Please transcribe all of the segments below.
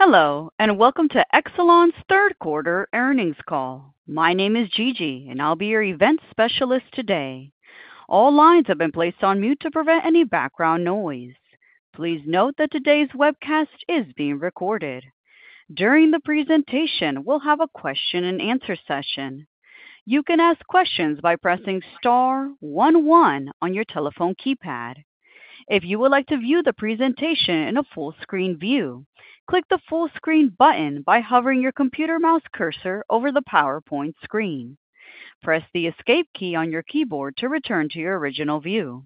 Hello, and welcome to Exelon's Q3 earnings call. My name is Gigi, and I'll be your event specialist today. All lines have been placed on mute to prevent any background noise. Please note that today's webcast is being recorded. During the presentation, we'll have a Q&A session. You can ask questions by pressing star one one on your telephone keypad. If you would like to view the presentation in a full-screen view, click the full-screen button by hovering your computer mouse cursor over the PowerPoint screen. Press the escape key on your keyboard to return to your original view.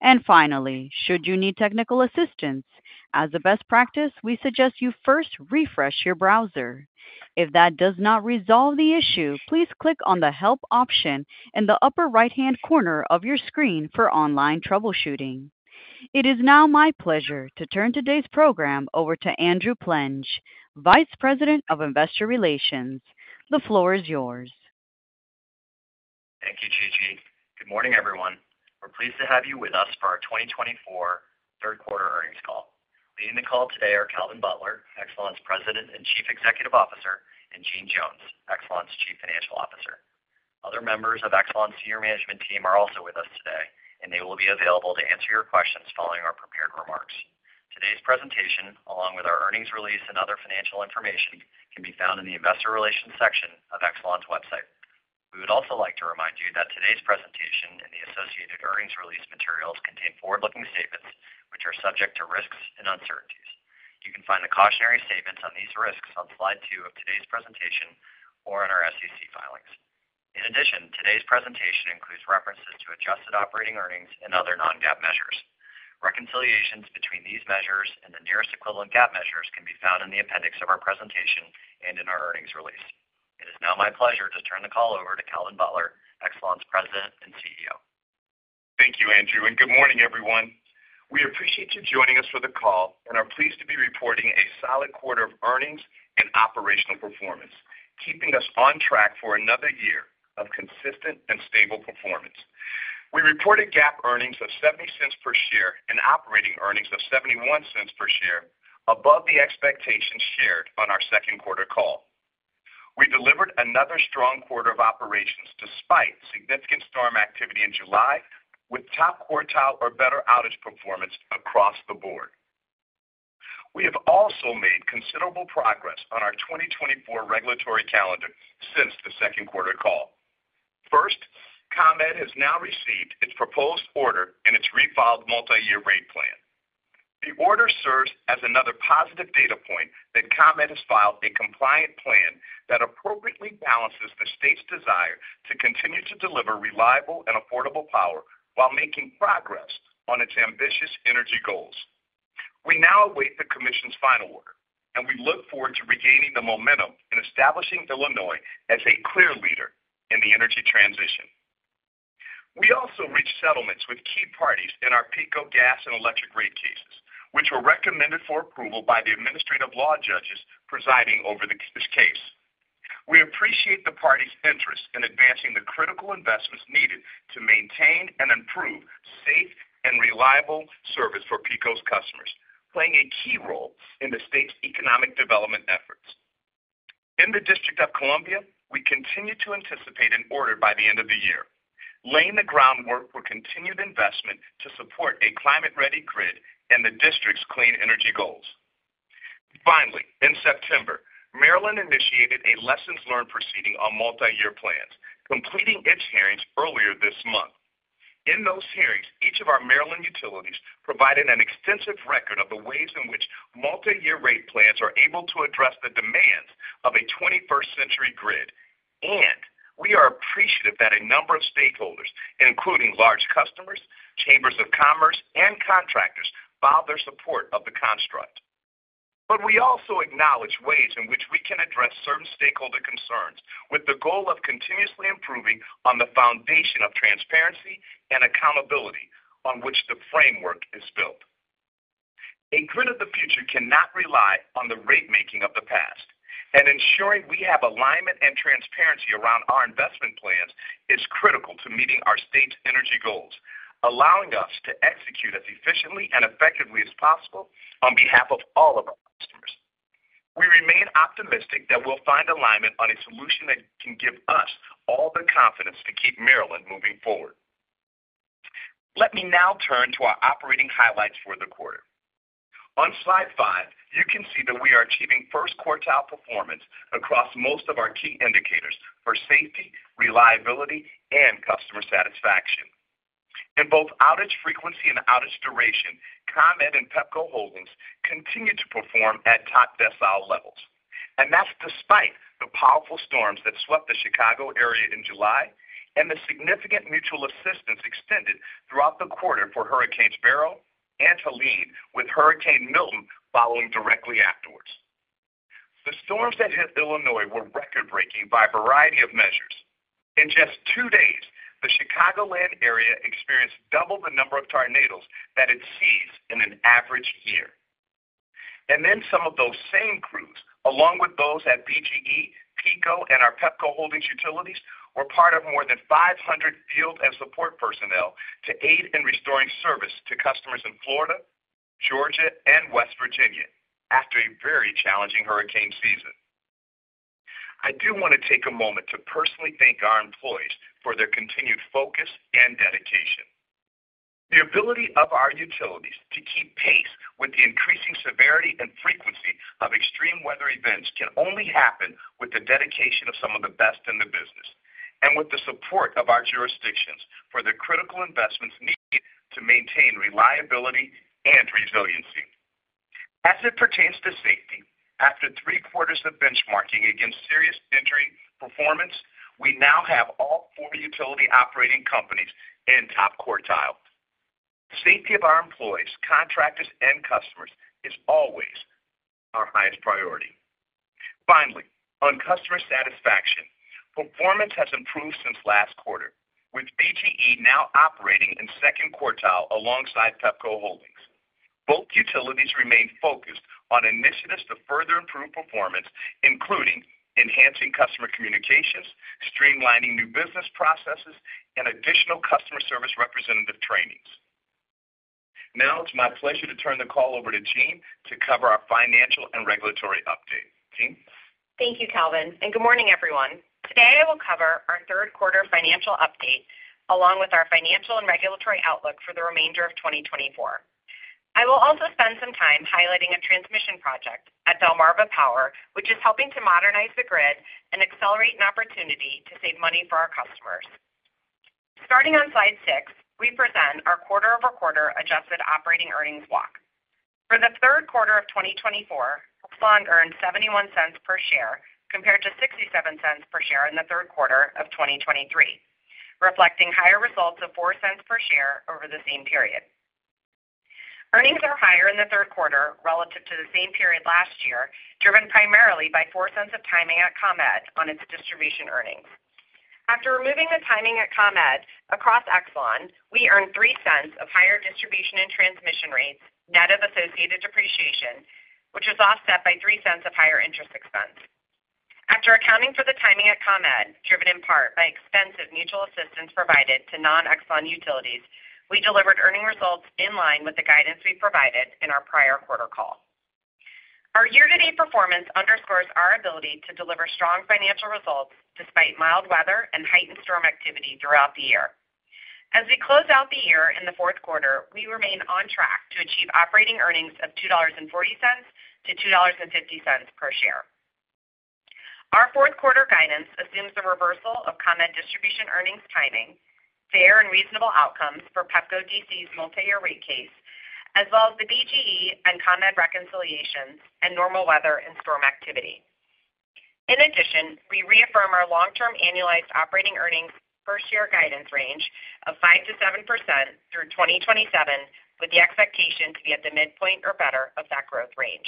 And finally, should you need technical assistance, as a best practice, we suggest you first refresh your browser. If that does not resolve the issue, please click on the help option in the upper right-hand corner of your screen for online troubleshooting. It is now my pleasure to turn today's program over to Andrew Plenge, Vice President of Investor Relations. The floor is yours. Thank you, Gigi. Good morning, everyone. We're pleased to have you with us for our 2024 Q3 earnings call. Leading the call today are Calvin Butler, Exelon's President and Chief Executive Officer, and Jeanne Jones, Exelon's Chief Financial Officer. Other members of Exelon's senior management team are also with us today, and they will be available to answer your questions following our prepared remarks. Today's presentation, along with our earnings release and other financial information, can be found in the investor relations section of Exelon's website. We would also like to remind you that today's presentation and the associated earnings release materials contain forward-looking statements, which are subject to risks and uncertainties. You can find the cautionary statements on these risks on Slide 2 of today's presentation or in our SEC filings. In addition, today's presentation includes references to adjusted operating earnings and other non-GAAP measures. Reconciliations between these measures and the nearest equivalent GAAP measures can be found in the appendix of our presentation and in our earnings release. It is now my pleasure to turn the call over to Calvin Butler, Exelon's President and CEO. Thank you, Andrew, and good morning, everyone. We appreciate you joining us for the call and are pleased to be reporting a solid quarter of earnings and operational performance, keeping us on track for another year of consistent and stable performance. We reported GAAP earnings of $0.70 per share and operating earnings of $0.71 per share above the expectations shared on our Q2 call. We delivered another strong quarter of operations despite significant storm activity in July, with top quartile or better outage performance across the board. We have also made considerable progress on our 2024 regulatory calendar since the Q2 call. First, ComEd has now received its proposed order and its refiled multi-year rate plan. The order serves as another positive data point that ComEd has filed a compliant plan that appropriately balances the state's desire to continue to deliver reliable and affordable power while making progress on its ambitious energy goals. We now await the commission's final order, and we look forward to regaining the momentum in establishing Illinois as a clear leader in the energy transition. We also reached settlements with key parties in our PECO gas and electric rate cases, which were recommended for approval by the administrative law judges presiding over this case. We appreciate the parties' interest in advancing the critical investments needed to maintain and improve safe and reliable service for PECO's customers, playing a key role in the state's economic development efforts. In the District of Columbia, we continue to anticipate an order by the end of the year, laying the groundwork for continued investment to support a climate-ready grid and the district's clean energy goals. Finally, in September, Maryland initiated a lessons learned proceeding on multi-year plans, completing its hearings earlier this month. In those hearings, each of our Maryland utilities provided an extensive record of the ways in which multi-year rate plans are able to address the demands of a 21st-century grid. And we are appreciative that a number of stakeholders, including large customers, chambers of commerce, and contractors, filed their support of the construct. But we also acknowledge ways in which we can address certain stakeholder concerns with the goal of continuously improving on the foundation of transparency and accountability on which the framework is built. A grid of the future cannot rely on the rate-making of the past, and ensuring we have alignment and transparency around our investment plans is critical to meeting our state's energy goals, allowing us to execute as efficiently and effectively as possible on behalf of all of our customers. We remain optimistic that we'll find alignment on a solution that can give us all the confidence to keep Maryland moving forward. Let me now turn to our operating highlights for the quarter. On Slide 5, you can see that we are achieving first quartile performance across most of our key indicators for safety, reliability, and customer satisfaction. In both outage frequency and outage duration, ComEd and PEPCO Holdings continue to perform at top decile levels. And that's despite the powerful storms that swept the Chicago area in July and the significant mutual assistance extended throughout the quarter for Hurricanes Beryl and Helene with Hurricane Milton following directly afterwards. The storms that hit Illinois were record-breaking by a variety of measures. In just two days, the Chicagoland area experienced double the number of tornadoes that it sees in an average year. And then some of those same crews, along with those at BGE, PECO, and our PEPCO Holdings utilities, were part of more than 500 field and support personnel to aid in restoring service to customers in Florida, Georgia, and West Virginia after a very challenging hurricane season. I do want to take a moment to personally thank our employees for their continued focus and dedication. The ability of our utilities to keep pace with the increasing severity and frequency of extreme weather events can only happen with the dedication of some of the best in the business and with the support of our jurisdictions for the critical investments needed to maintain reliability and resiliency. As it pertains to safety, after three quarters of benchmarking against serious injury performance, we now have all four utility operating companies in top quartile. The safety of our employees, contractors, and customers is always our highest priority. Finally, on customer satisfaction, performance has improved since last quarter, with BGE now operating in second quartile alongside PEPCO Holdings. Both utilities remain focused on initiatives to further improve performance, including enhancing customer communications, streamlining new business processes, and additional customer service representative trainings. Now it's my pleasure to turn the call over to Jeanne to cover our financial and regulatory update. Jeanne? Thank you, Calvin. Good morning, everyone. Today, I will cover our Q3 financial update along with our financial and regulatory outlook for the remainder of 2024. I will also spend some time highlighting a transmission project at Delmarva Power, which is helping to modernize the grid and accelerate an opportunity to save money for our customers. Starting on Slide 6, we present our quarter-over-quarter adjusted operating earnings walk. For the Q3 of 2024, Exelon earned $0.71 per share compared to $0.67 per share in the Q3 of 2023, reflecting higher results of $0.04 per share over the same period. Earnings are higher in the Q3 relative to the same period last year, driven primarily by $0.04 of timing at ComEd on its distribution earnings. After removing the timing at ComEd across Exelon, we earned $0.03 of higher distribution and transmission rates net of associated depreciation, which is offset by $0.03 of higher interest expense. After accounting for the timing at ComEd, driven in part by expensive mutual assistance provided to non-Exelon utilities, we delivered earning results in line with the guidance we provided in our prior quarter call. Our year-to-date performance underscores our ability to deliver strong financial results despite mild weather and heightened storm activity throughout the year. As we close out the year in the Q4, we remain on track to achieve operating earnings of $2.40-$2.50 per share. Our Q4 guidance assumes the reversal of ComEd distribution earnings timing, fair and reasonable outcomes for PEPCO DC's multi-year rate case, as well as the BGE and ComEd reconciliations and normal weather and storm activity. In addition, we reaffirm our long-term annualized operating earnings per share guidance range of 5%-7% through 2027, with the expectation to be at the midpoint or better of that growth range.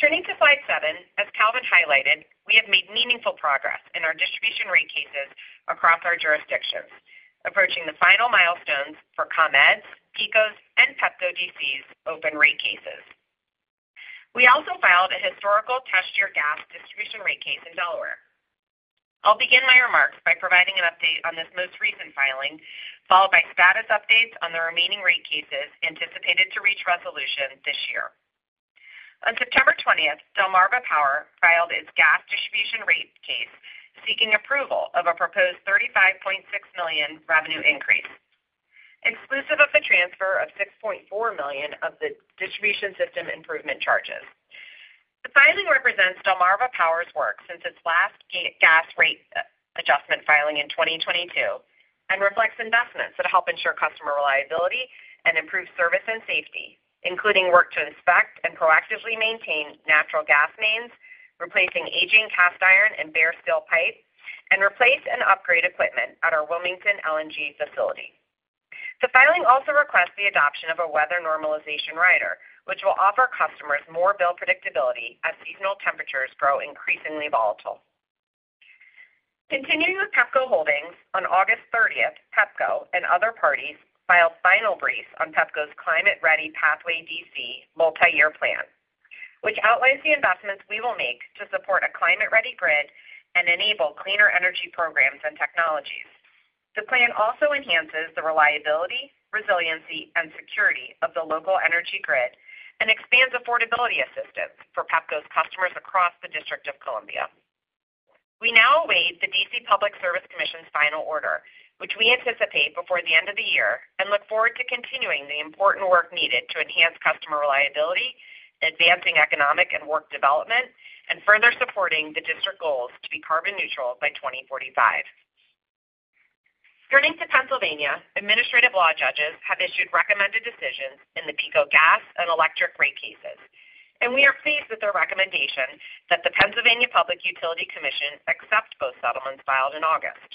Turning to Slide 7, as Calvin highlighted, we have made meaningful progress in our distribution rate cases across our jurisdictions, approaching the final milestones for ComEd's, PECO's, and PEPCO DC's open rate cases. We also filed a historical test year gas distribution rate case in Delaware. I'll begin my remarks by providing an update on this most recent filing, followed by status updates on the remaining rate cases anticipated to reach resolution this year. On September 20th, Delmarva Power filed its gas distribution rate case, seeking approval of a proposed $35.6 million revenue increase, exclusive of the transfer of $6.4 million of the distribution system improvement charges. The filing represents Delmarva Power's work since its last gas rate adjustment filing in 2022 and reflects investments that help ensure customer reliability and improve service and safety, including work to inspect and proactively maintain natural gas mains, replacing aging cast iron and bare steel pipe, and replace and upgrade equipment at our Wilmington LNG facility. The filing also requests the adoption of a weather normalization rider, which will offer customers more bill predictability as seasonal temperatures grow increasingly volatile. Continuing with PEPCO Holdings, on August 30th, PEPCO and other parties filed final briefs on PEPCO's Climate Ready Pathway DC multi-year plan, which outlines the investments we will make to support a climate-ready grid and enable cleaner energy programs and technologies. The plan also enhances the reliability, resiliency, and security of the local energy grid and expands affordability assistance for PEPCO's customers across the District of Columbia. We now await the D.C. Public Service Commission's final order, which we anticipate before the end of the year, and look forward to continuing the important work needed to enhance customer reliability, advancing economic and work development, and further supporting the district goals to be carbon neutral by 2045. Turning to Pennsylvania, administrative law judges have issued recommended decisions in the PECO gas and electric rate cases, and we are pleased with their recommendation that the Pennsylvania Public Utility Commission accept both settlements filed in August.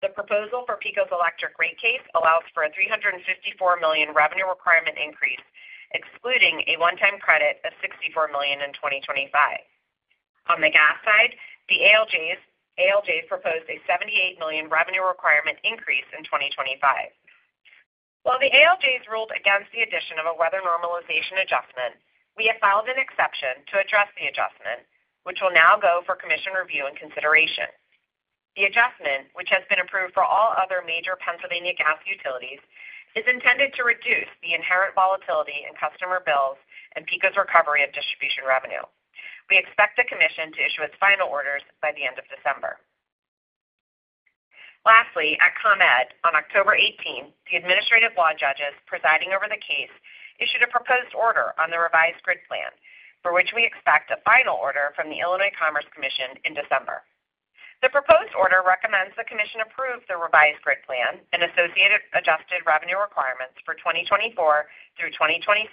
The proposal for PECO's electric rate case allows for a $354 million revenue requirement increase, excluding a one-time credit of $64 million in 2025. On the gas side, the ALJs proposed a $78 million revenue requirement increase in 2025. While the ALJs ruled against the addition of a weather normalization adjustment, we have filed an exception to address the adjustment, which will now go for Commission review and consideration. The adjustment, which has been approved for all other major Pennsylvania gas utilities, is intended to reduce the inherent volatility in customer bills and PECO's recovery of distribution revenue. We expect the Commission to issue its final orders by the end of December. Lastly, at ComEd, on October 18, the administrative law judges presiding over the case issued a proposed order on the revised grid plan, for which we expect a final order from the Illinois Commerce Commission in December. The proposed order recommends the commission approve the revised grid plan and associated adjusted revenue requirements for 2024 through 2027,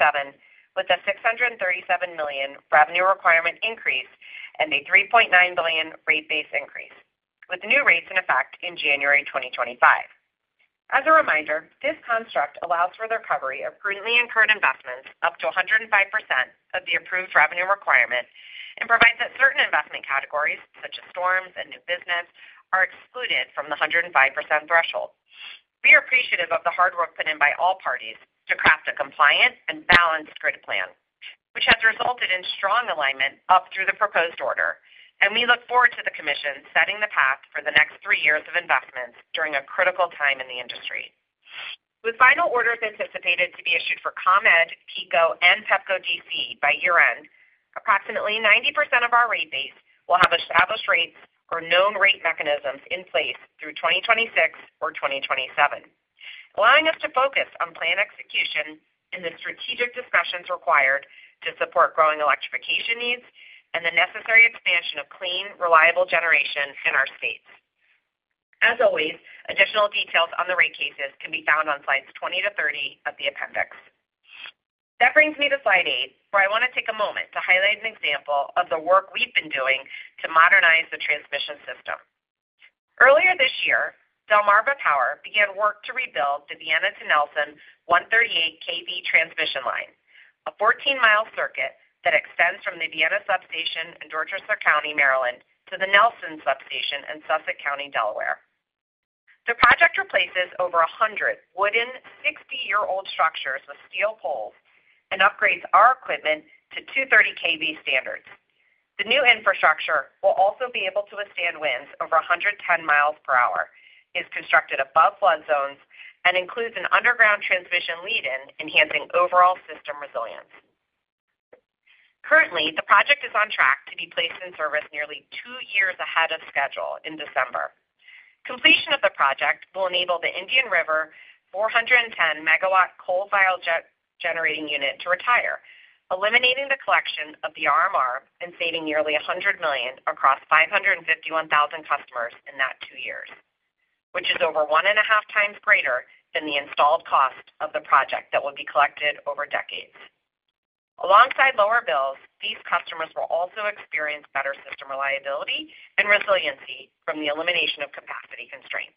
with a $637 million revenue requirement increase and a $3.9 billion rate-based increase, with new rates in effect in January 2025. As a reminder, this construct allows for the recovery of prudently incurred investments up to 105% of the approved revenue requirement and provides that certain investment categories, such as storms and new business, are excluded from the 105% threshold. We are appreciative of the hard work put in by all parties to craft a compliant and balanced grid plan, which has resulted in strong alignment up through the proposed order, and we look forward to the commission setting the path for the next three years of investments during a critical time in the industry. With final orders anticipated to be issued for ComEd, PECO, and PEPCO DC by year-end, approximately 90% of our rate base will have established rates or known rate mechanisms in place through 2026 or 2027, allowing us to focus on plan execution and the strategic discussions required to support growing electrification needs and the necessary expansion of clean, reliable generation in our states. As always, additional details on the rate cases can be found on Slides 20 to 30 of the appendix. That brings me to Slide 8, where I want to take a moment to highlight an example of the work we've been doing to modernize the transmission system. Earlier this year, Delmarva Power began work to rebuild the Vienna to Nelson 138 kV transmission line, a 14-mile circuit that extends from the Vienna substation in Dorchester County, Maryland, to the Nelson substation in Sussex County, Delaware. The project replaces over 100 wooden, 60-year-old structures with steel poles and upgrades our equipment to 230 kV standards. The new infrastructure will also be able to withstand winds over 110 miles per hour, is constructed above flood zones, and includes an underground transmission lead-in, enhancing overall system resilience. Currently, the project is on track to be placed in service nearly two years ahead of schedule in December. Completion of the project will enable the Indian River 410-megawatt coal-fired generating unit to retire, eliminating the collection of the RMR and saving nearly $100 million across 551,000 customers in that two years, which is over one and a half times greater than the installed cost of the project that would be collected over decades. Alongside lower bills, these customers will also experience better system reliability and resiliency from the elimination of capacity constraints.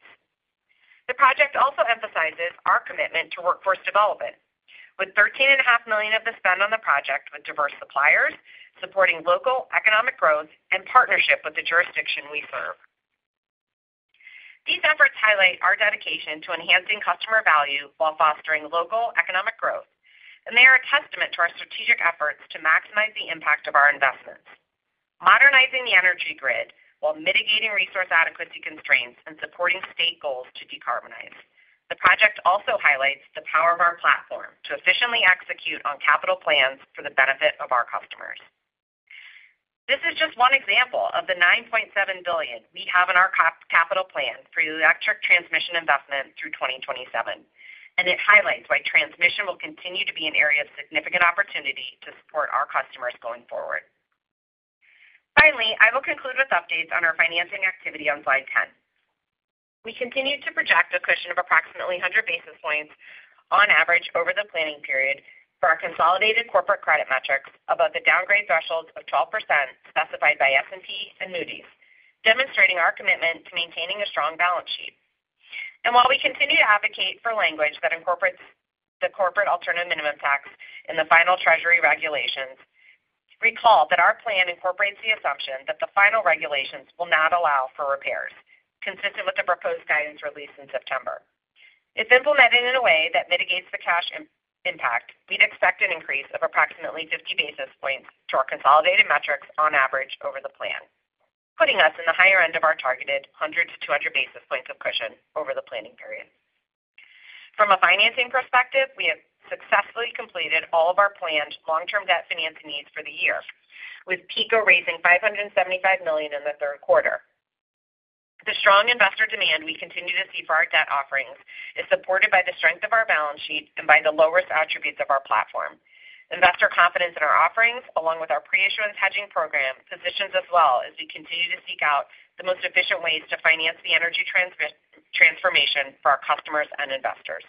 The project also emphasizes our commitment to workforce development, with $13.5 million of the spend on the project with diverse suppliers supporting local economic growth and partnership with the jurisdiction we serve. These efforts highlight our dedication to enhancing customer value while fostering local economic growth, and they are a testament to our strategic efforts to maximize the impact of our investments, modernizing the energy grid while mitigating resource adequacy constraints and supporting state goals to decarbonize. The project also highlights the power of our platform to efficiently execute on capital plans for the benefit of our customers. This is just one example of the $9.7 billion we have in our capital plan for electric transmission investment through 2027, and it highlights why transmission will continue to be an area of significant opportunity to support our customers going forward. Finally, I will conclude with updates on our financing activity on Slide 10. We continue to project a cushion of approximately 100 basis points on average over the planning period for our consolidated corporate credit metrics above the downgrade thresholds of 12% specified by S&P and Moody's, demonstrating our commitment to maintaining a strong balance sheet, and while we continue to advocate for language that incorporates the corporate alternative minimum tax in the final treasury regulations, recall that our plan incorporates the assumption that the final regulations will not allow for repairs, consistent with the proposed guidance released in September. If implemented in a way that mitigates the cash impact, we'd expect an increase of approximately 50 basis points to our consolidated metrics on average over the plan, putting us in the higher end of our targeted 100-200 basis points of cushion over the planning period. From a financing perspective, we have successfully completed all of our planned long-term debt financing needs for the year, with PECO raising $575 million in the Q3. The strong investor demand we continue to see for our debt offerings is supported by the strength of our balance sheet and by the low-risk attributes of our platform. Investor confidence in our offerings, along with our pre-issuance hedging program, positions us well as we continue to seek out the most efficient ways to finance the energy transformation for our customers and investors.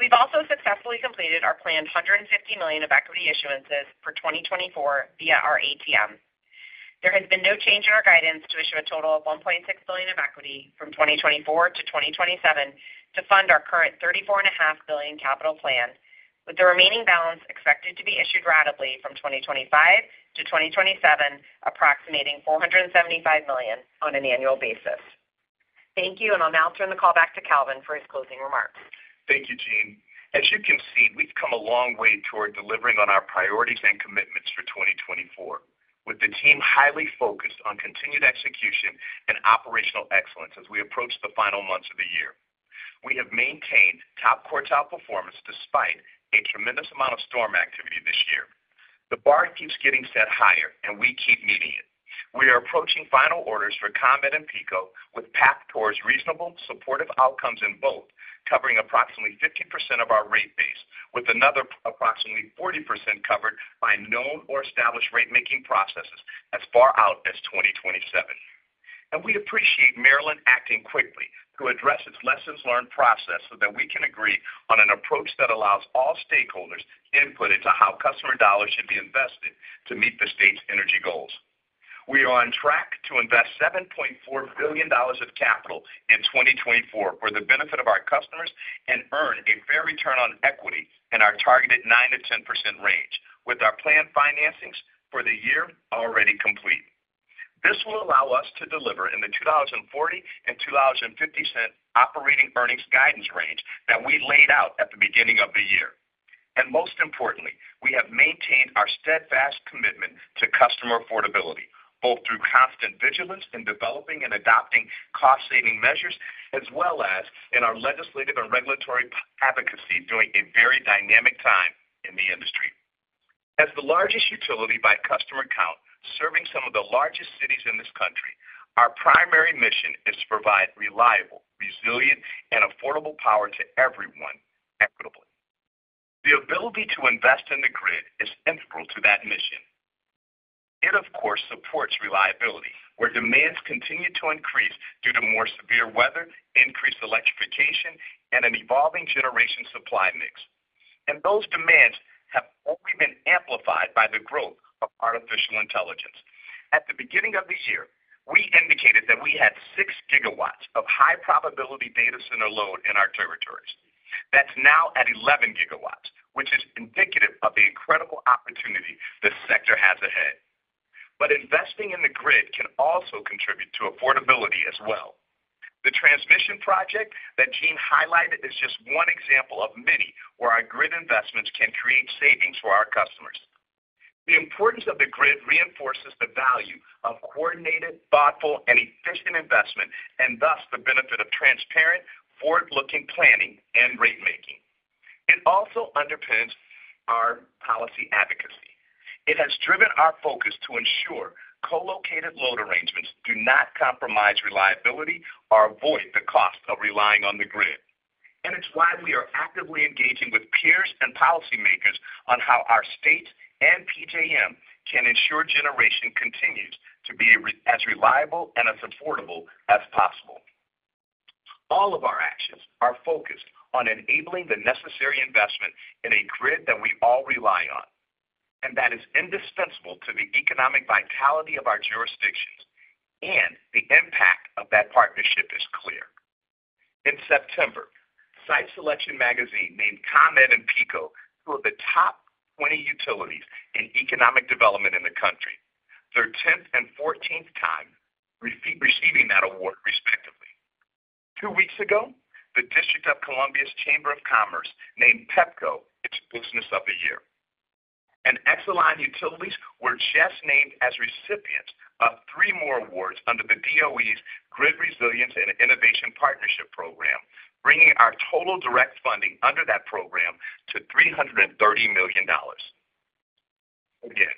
We've also successfully completed our planned $150 million of equity issuances for 2024 via our ATM. There has been no change in our guidance to issue a total of $1.6 billion of equity from 2024 to 2027 to fund our current $34.5 billion capital plan, with the remaining balance expected to be issued ratably from 2025 to 2027, approximating $475 million on an annual basis. Thank you, and I'll now turn the call back to Calvin for his closing remarks. Thank you, Jeanne. As you can see, we've come a long way toward delivering on our priorities and commitments for 2024, with the team highly focused on continued execution and operational excellence as we approach the final months of the year. We have maintained top quartile performance despite a tremendous amount of storm activity this year. The bar keeps getting set higher, and we keep meeting it. We are approaching final orders for ComEd and PECO, with PAPUC towards reasonable supportive outcomes in both, covering approximately 50% of our rate base, with another approximately 40% covered by known or established rate-making processes as far out as 2027, and we appreciate Maryland acting quickly to address its lessons learned process so that we can agree on an approach that allows all stakeholders input into how customer dollars should be invested to meet the state's energy goals. We are on track to invest $7.4 billion of capital in 2024 for the benefit of our customers and earn a fair return on equity in our targeted 9%-10% range, with our planned financings for the year already complete. This will allow us to deliver in the $2.40 and $2.50 adjusted operating earnings guidance range that we laid out at the beginning of the year. And most importantly, we have maintained our steadfast commitment to customer affordability, both through constant vigilance in developing and adopting cost-saving measures, as well as in our legislative and regulatory advocacy during a very dynamic time in the industry. As the largest utility by customer count, serving some of the largest cities in this country, our primary mission is to provide reliable, resilient, and affordable power to everyone equitably. The ability to invest in the grid is integral to that mission. It, of course, supports reliability, where demands continue to increase due to more severe weather, increased electrification, and an evolving generation supply mix. And those demands have only been amplified by the growth of artificial intelligence. At the beginning of the year, we indicated that we had six gigawatts of high-probability data center load in our territories. That's now at 11 gigawatts, which is indicative of the incredible opportunity the sector has ahead, but investing in the grid can also contribute to affordability as well. The transmission project that Jeanne highlighted is just one example of many where our grid investments can create savings for our customers. The importance of the grid reinforces the value of coordinated, thoughtful, and efficient investment, and thus the benefit of transparent, forward-looking planning and rate-making. It also underpins our policy advocacy. It has driven our focus to ensure co-located load arrangements do not compromise reliability or avoid the cost of relying on the grid, and it's why we are actively engaging with peers and policymakers on how our state and PJM can ensure generation continues to be as reliable and as affordable as possible. All of our actions are focused on enabling the necessary investment in a grid that we all rely on, and that is indispensable to the economic vitality of our jurisdictions, and the impact of that partnership is clear. In September, Site Selection Magazine named ComEd and PECO two of the top 20 utilities in economic development in the country, their 10th and 14th time receiving that award, respectively. Two weeks ago, the District of Columbia Chamber of Commerce named PEPCO its Business of the Year, and Exelon Utilities were just named as recipients of three more awards under the DOE's Grid Resilience and Innovation Partnership Program, bringing our total direct funding under that program to $330 million. Again,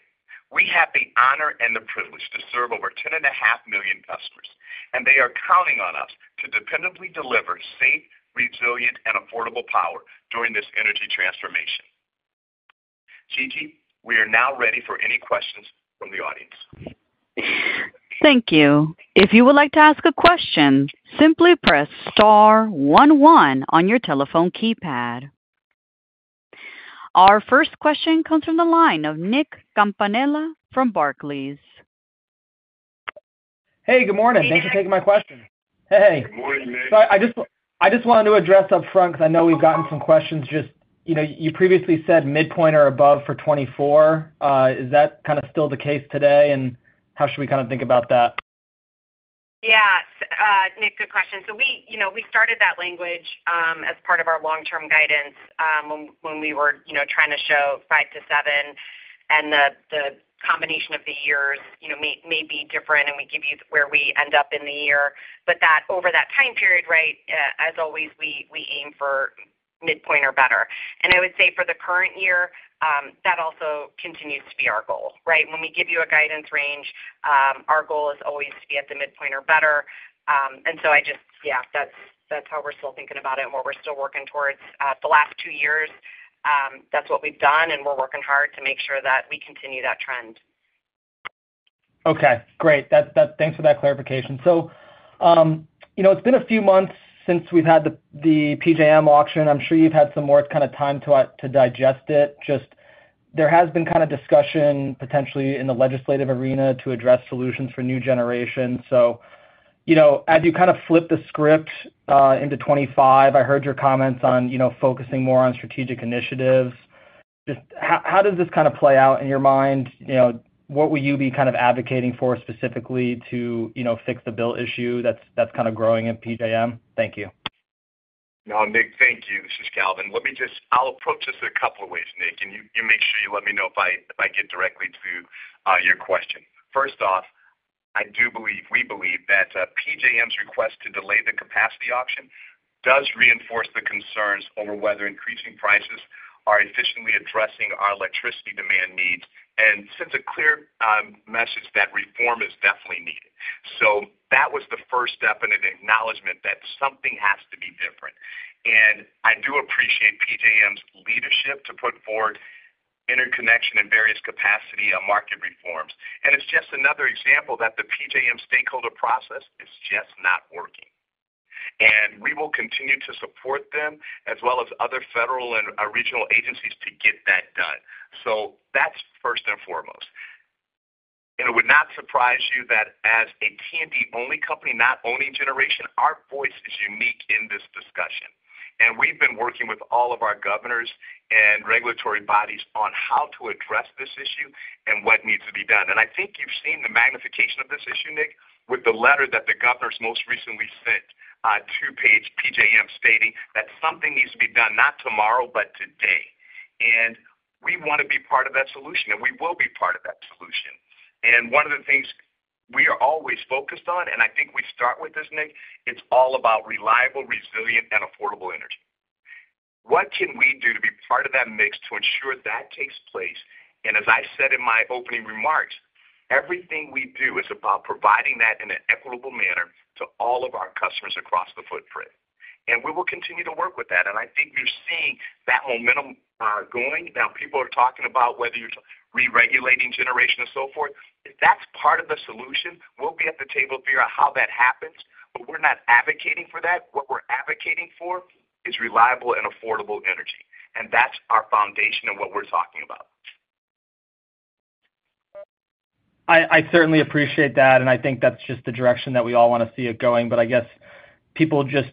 we have the honor and the privilege to serve over 10.5 million customers, and they are counting on us to dependably deliver safe, resilient, and affordable power during this energy transformation. Gigi, we are now ready for any questions from the audience. Thank you. If you would like to ask a question, simply press star 11 on your telephone keypad. Our first question comes from the line of Nick Campanella from Barclays. Hey, good morning. Thanks for taking my question. Hey. Good morning, Nick. So I just wanted to address upfront because I know we've gotten some questions. You previously said midpoint or above for 2024. Is that still the case today, and how should we think about that? Nick, good question. So we started that language as part of our long-term guidance when we were trying to show five to seven, and the combination of the years may be different, and we give you where we end up in the year. But over that time period, right, as always, we aim for midpoint or better. And I would say for the current year, that also continues to be our goal, right? When we give you a guidance range, our goal is always to be at the midpoint or better. And so I just, that's how we're still thinking about it and what we're still working towards. The last two years, that's what we've done, and we're working hard to make sure that we continue that trend. Okay. Great. Thanks for that clarification. So it's been a few months since we've had the PJM auction. I'm sure you've had some time to digest it. Just, there has bee discussion potentially in the legislative arena to address solutions for new generation. So as you flip the script into 2025, I heard your comments on focusing more on strategic initiatives. Just how does this play out in your mind? What will you be advocating for specifically to fix the build issue that's growing in PJM? Thank you. No, Nick, thank you. This is Calvin. I'll approach this a couple of ways, Nick, and you make sure you let me know if I get directly to your question. First off, I do believe we believe that PJM's request to delay the capacity auction does reinforce the concerns over whether increasing prices are efficiently addressing our electricity demand needs and sends a clear message that reform is definitely needed. So that was the first step and an acknowledgment that something has to be different. And I do appreciate PJM's leadership to put forward interconnection and various capacity market reforms. And it's just another example that the PJM stakeholder process is just not working. And we will continue to support them as well as other federal and regional agencies to get that done. So that's first and foremost. And it would not surprise you that as a T&D-only company, not owning generation, our voice is unique in this discussion. And we've been working with all of our governors and regulatory bodies on how to address this issue and what needs to be done. And I think you've seen the magnification of this issue, Nick, with the letter that the governors most recently sent to PJM stating that something needs to be done not tomorrow, but today. And we want to be part of that solution, and we will be part of that solution. And one of the things we are always focused on, and I think we start with this, Nick, it's all about reliable, resilient, and affordable energy. What can we do to be part of that mix to ensure that takes place? And as I said in my opening remarks, everything we do is about providing that in an equitable manner to all of our customers across the footprint. And we will continue to work with that. And I think you're seeing that momentum going. Now, people are talking about whether you're re-regulating generation and so forth. If that's part of the solution, we'll be at the table to figure out how that happens, but we're not advocating for that. What we're advocating for is reliable and affordable energy. And that's our foundation of what we're talking about. I certainly appreciate that, and I think that's just the direction that we all want to see it going. But I guess people just,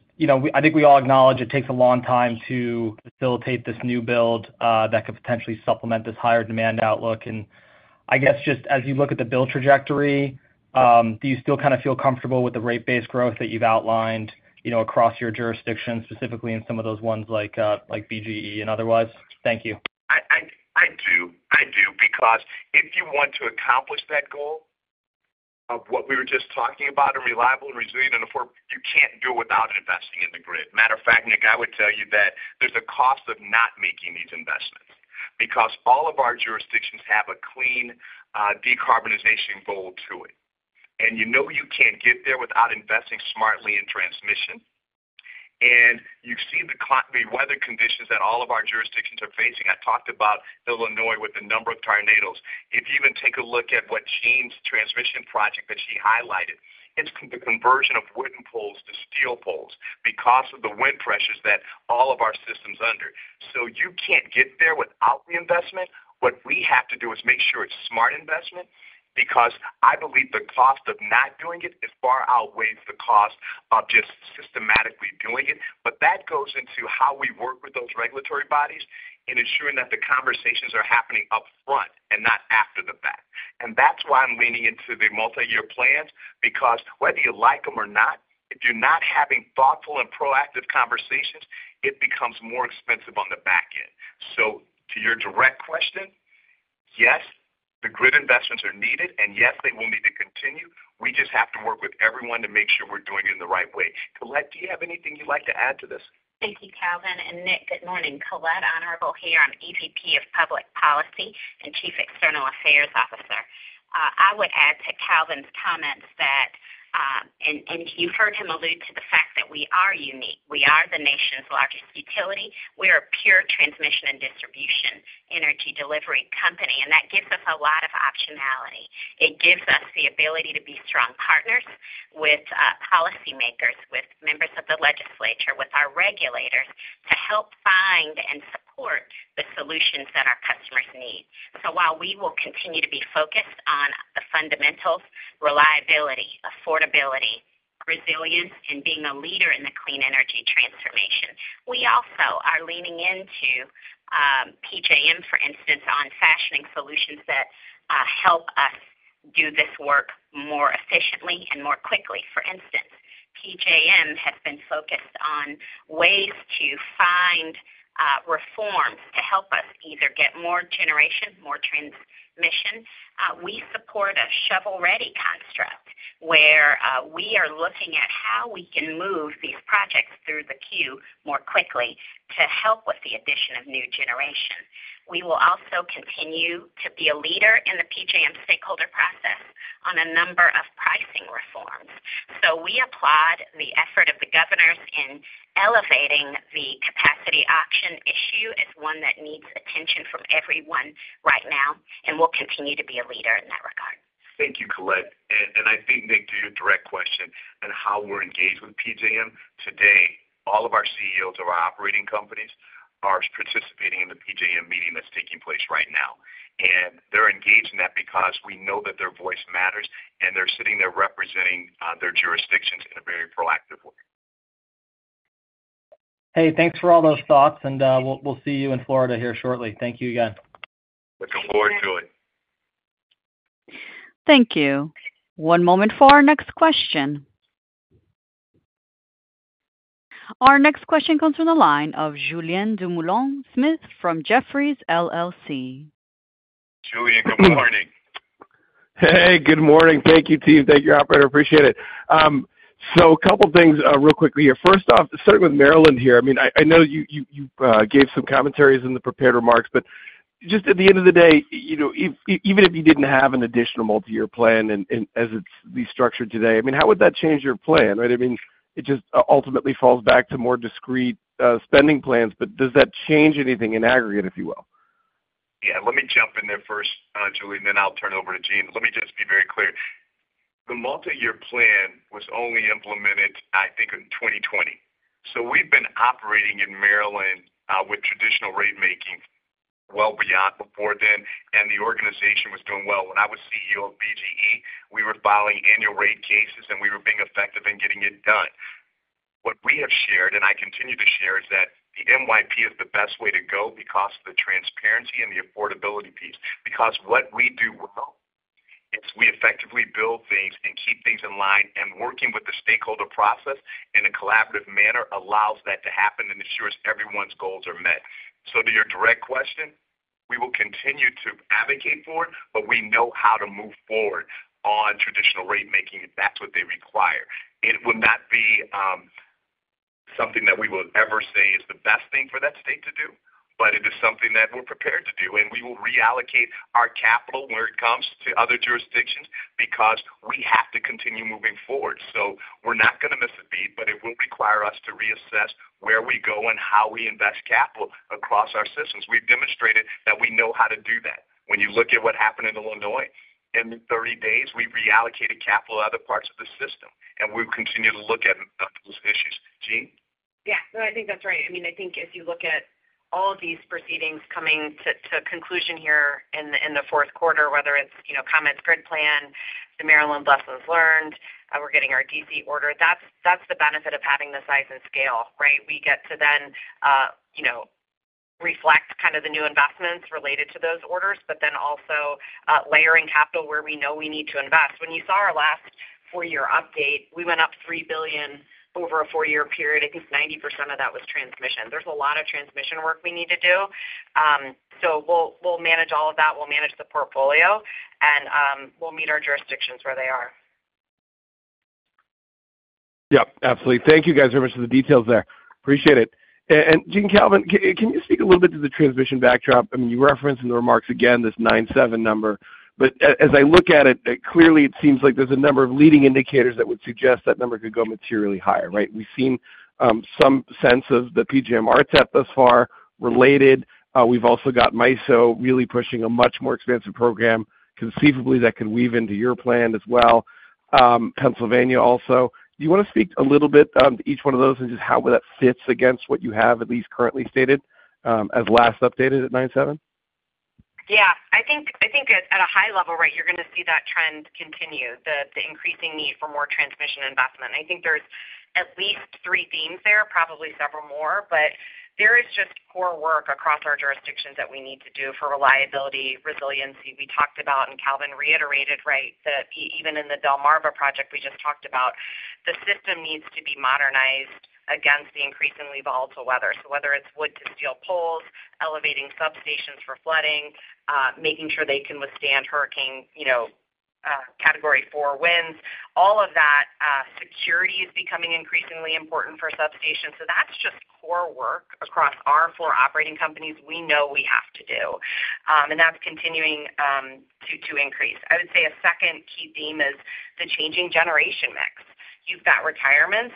I think we all acknowledge it takes a long time to facilitate this new build that could potentially supplement this higher demand outlook. And I guess just as you look at the bill trajectory, do you still feel comfortable with the rate-based growth that you've outlined across your jurisdiction, specifically in some of those ones like BGE and otherwise? Thank you. I do. I do. Because if you want to accomplish that goal of what we were just talking about, reliable and resilient and affordable, you can't do it without investing in the grid. Matter of fact, Nick, I would tell you that there's a cost of not making these investments because all of our jurisdictions have a clean decarbonization goal to it. And you know you can't get there without investing smartly in transmission. You've seen the weather conditions that all of our jurisdictions are facing. I talked about Illinois with a number of tornadoes. If you even take a look at what Jeanne's transmission project that she highlighted, it's the conversion of wooden poles to steel poles because of the wind pressures that all of our systems under. You can't get there without the investment. What we have to do is make sure it's a smart investment because I believe the cost of not doing it is far outweighs the cost of just systematically doing it. That goes into how we work with those regulatory bodies in ensuring that the conversations are happening upfront and not after the fact. That's why I'm leaning into the multi-year plans because whether you like them or not, if you're not having thoughtful and proactive conversations, it becomes more expensive on the back end. So to your direct question, yes, the grid investments are needed, and yes, they will need to continue. We just have to work with everyone to make sure we're doing it in the right way. Colette, do you have anything you'd like to add to this? Thank you, Calvin. Nick, good morning. Colette Honorable here as EVP of Public Policy and Chief External Affairs Officer. I would add to Calvin's comments that, and you've heard him allude to the fact that we are unique. We are the nation's largest utility. We are a pure transmission and distribution energy delivery company. And that gives us a lot of optionality. It gives us the ability to be strong partners with policymakers, with members of the legislature, with our regulators to help find and support the solutions that our customers need. So while we will continue to be focused on the fundamentals, reliability, affordability, resilience, and being a leader in the clean energy transformation, we also are leaning into PJM, for instance, on fashioning solutions that help us do this work more efficiently and more quickly. For instance, PJM has been focused on ways to find reforms to help us either get more generation, more transmission. We support a shovel-ready construct where we are looking at how we can move these projects through the queue more quickly to help with the addition of new generation. We will also continue to be a leader in the PJM stakeholder process on a number of pricing reforms. So we applied the effort of the governors in elevating the capacity auction issue as one that needs attention from everyone right now, and we'll continue to be a leader in that regard. Thank you, Colette. And I think, Nick, to your direct question on how we're engaged with PJM, today, all of our CEOs of our operating companies are participating in the PJM meeting that's taking place right now. And they're engaged in that because we know that their voice matters, and they're sitting there representing their jurisdictions in a very proactive way. Hey, thanks for all those thoughts, and we'll see you in Florida here shortly. Thank you again. Looking forward to it. Thank you. One moment for our next question. Our next question comes from the line of Julien Dumoulin-Smith from Jefferies LLC. Julien, good morning. Hey, good morning. Thank you, team. Thank you, operator. Appreciate it. So a couple of things real quickly here. First off, starting with Maryland here, I mean, I know you gave some commentaries in the prepared remarks, but just at the end of the day, even if you didn't have an additional multi-year plan as it's structured today, I mean, how would that change your plan? I mean, it just ultimately falls back to more discrete spending plans, but does that change anything in aggregate, if you will? Let me jump in there first, Julien, then I'll turn it over to Jeanne. Let me just be very clear. The multi-year plan was only implemented, I think, in 2020. So we've been operating in Maryland with traditional rate-making well beyond before then, and the organization was doing well. When I was CEO of BGE, we were filing annual rate cases, and we were being effective in getting it done. What we have shared, and I continue to share, is that the MYP is the best way to go because of the transparency and the affordability piece. Because what we do well is we effectively build things and keep things in line, and working with the stakeholder process in a collaborative manner allows that to happen and ensures everyone's goals are met, so to your direct question, we will continue to advocate for it, but we know how to move forward on traditional rate-making. That's what they require. It will not be something that we will ever say is the best thing for that state to do, but it is something that we're prepared to do, and we will reallocate our capital when it comes to other jurisdictions because we have to continue moving forward. So we're not going to miss a beat, but it will require us to reassess where we go and how we invest capital across our systems. We've demonstrated that we know how to do that. When you look at what happened in Illinois in the 30 days, we've reallocated capital to other parts of the system, and we'll continue to look at those issues. Jeanne? No, I think that's right. I mean, I think if you look at all of these proceedings coming to conclusion here in the Q4, whether it's ComEd's grid plan, the Maryland lessons learned, we're getting our DC order. That's the benefit of having the size and scale, right? We get to then reflect the new investments related to those orders, but then also layering capital where we know we need to invest. When you saw our last four-year update, we went up three billion over a four-year period. I think 90% of that was transmission. There's a lot of transmission work we need to do. So we'll manage all of that. We'll manage the portfolio, and we'll meet our jurisdictions where they are. Yep. Absolutely. Thank you guys very much for the details there. Appreciate it. And Jeanne, Calvin, can you speak a little bit to the transmission backdrop? I mean, you referenced in the remarks again this 97 number, but as I look at it, clearly it seems like there's a number of leading indicators that would suggest that number could go materially higher, right? We've seen some sense of the PJM RTEP thus far related. We've also got MISO really pushing a much more expansive program conceivably that could weave into your plan as well. Pennsylvania also. Do you want to speak a little bit to each one of those and just how that fits against what you have at least currently stated as last updated at 97? I think at a high level, right, you're going to see that trend continue, the increasing need for more transmission investment. I think there's at least three themes there, probably several more, but there is just more work across our jurisdictions that we need to do for reliability, resiliency. We talked about, and Calvin reiterated, right, that even in the Delmarva project we just talked about, the system needs to be modernized against the increasingly volatile weather. So whether it's wood-to-steel poles, elevating substations for flooding, making sure they can withstand hurricane category 4 winds, all of that security is becoming increasingly important for substations. So that's just core work across our four operating companies we know we have to do. And that's continuing to increase. I would say a second key theme is the changing generation mix. You've got retirements.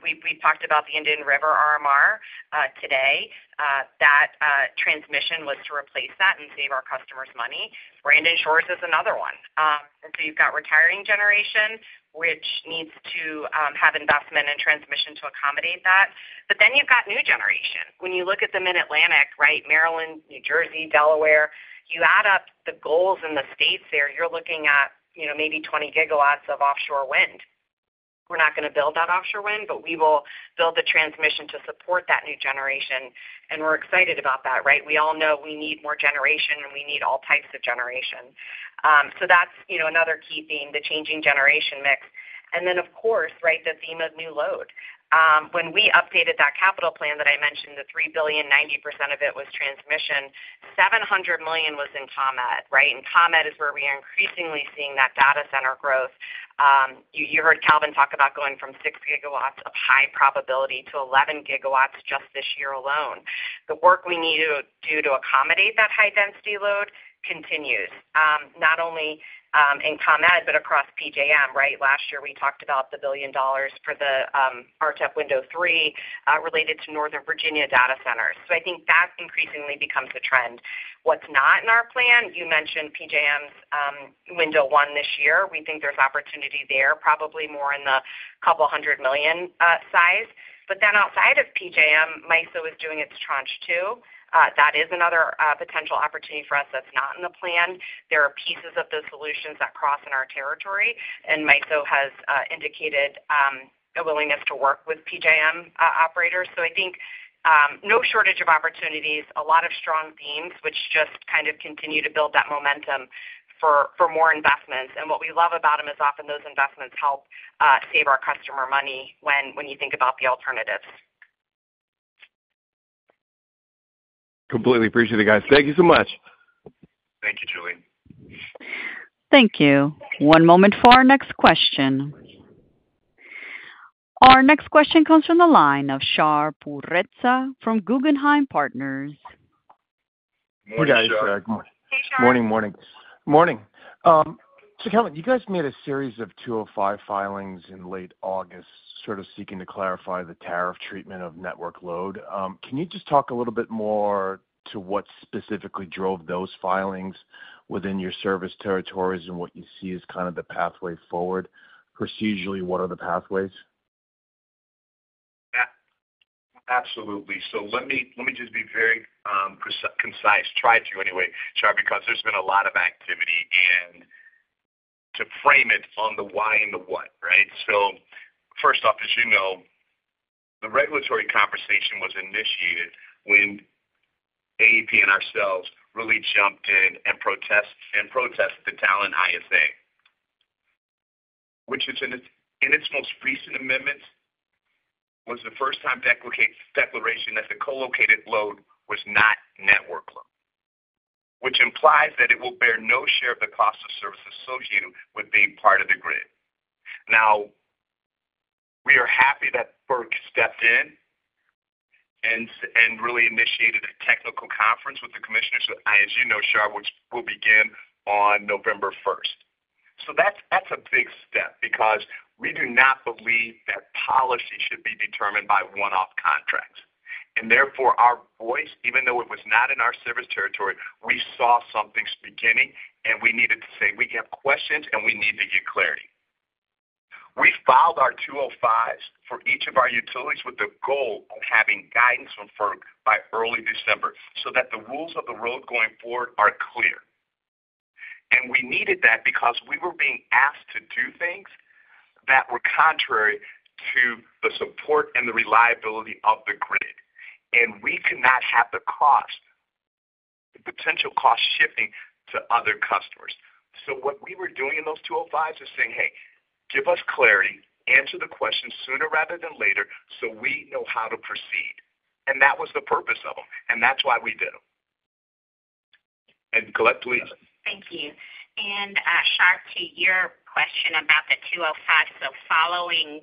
We've talked about the Indian River RMR today. That transmission was to replace that and save our customers money. Brandon Shores is another one. And so you've got retiring generation, which needs to have investment and transmission to accommodate that. But then you've got new generation. When you look at the Atlantic, right, Maryland, New Jersey, Delaware, you add up the goals in the states there, you're looking at maybe 20 gigawatts of offshore wind. We're not going to build that offshore wind, but we will build the transmission to support that new generation. And we're excited about that, right? We all know we need more generation, and we need all types of generation. So that's another key theme, the changing generation mix. And then, of course, right, the theme of new load. When we updated that capital plan that I mentioned, the $3 billion, 90% of it was transmission, $700 million was in ComEd, right? And ComEd is where we are increasingly seeing that data center growth. You heard Calvin talk about going from 6 gigawatts of high probability to 11 gigawatts just this year alone. The work we need to do to accommodate that high-density load continues, not only in ComEd, but across PJM, right? Last year, we talked about the $1 billion for the RTEP Window 3 related to Northern Virginia data centers. So I think that increasingly becomes a trend. What's not in our plan, you mentioned PJM's Window 1 this year. We think there's opportunity there, probably more in the couple hundred million size. But then outside of PJM, MISO is doing its Tranche 2. That is another potential opportunity for us that's not in the plan. There are pieces of those solutions that cross in our territory, and MISO has indicated a willingness to work with PJM operators. So I think no shortage of opportunities, a lot of strong themes, which just continue to build that momentum for more investments. And what we love about them is often those investments help save our customer money when you think about the alternatives. Completely appreciate it, guys. Thank you so much. Thank you, Julien. Thank you. One moment for our next question. Our next question comes from the line of Shar Pourreza from Guggenheim Partners. Good morning, Shar. Good morning. Hey, Shar. Morning, morning. Good morning. Calvin, you guys made a series of 205 filings in late August, seeking to clarify the tariff treatment of network load. Can you just talk a little bit more to what specifically drove those filings within your service territories and what you see as the pathway forward? Procedurally, what are the pathways? Absolutely. Let me just be very concise. Try to, anyway, Shar, because there's been a lot of activity and to frame it on the why and the what, right? First off, as you know, the regulatory conversation was initiated when AEP and ourselves really jumped in and protested the Talen ISA, which in its most recent amendments was the first-time declaration that the co-located load was not network load, which implies that it will bear no share of the cost of service associated with being part of the grid. Now, we are happy that FERC stepped in and really initiated a technical conference with the commissioners, as you know, Shar, which will begin on November 1st, so that's a big step because we do not believe that policy should be determined by one-off contracts, and therefore, our voice, even though it was not in our service territory, we saw something beginning, and we needed to say, "We have questions, and we need to get clarity." We filed our 205s for each of our utilities with the goal of having guidance from FERC by early December so that the rules of the road going forward are clear, and we needed that because we were being asked to do things that were contrary to the support and the reliability of the grid, and we cannot have the cost, the potential cost shifting to other customers. So what we were doing in those 205s is saying, "Hey, give us clarity, answer the question sooner rather than later so we know how to proceed." And that was the purpose of them. And that's why we did them. And Colette, please. Thank you. And Shar, to your question about the 205s, so following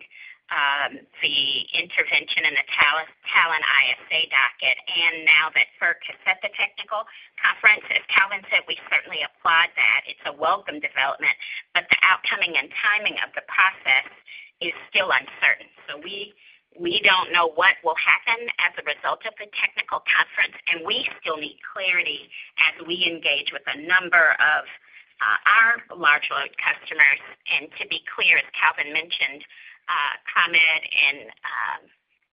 the intervention in the Talen ISA docket and now that FERC has set the technical conference, as Calvin said, we certainly applaud that. It's a welcome development, but the outcome and timing of the process is still uncertain. So we don't know what will happen as a result of the technical conference, and we still need clarity as we engage with a number of our large load customers. And to be clear, as Calvin mentioned, ComEd